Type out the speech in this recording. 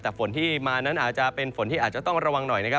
แต่ฝนที่มานั้นอาจจะเป็นฝนที่อาจจะต้องระวังหน่อยนะครับ